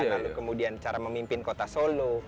lalu kemudian cara memimpin kota solo